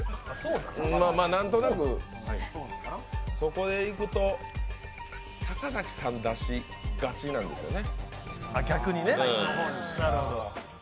なんとなく、そこでいくと坂崎さん、出しがちなんですよね。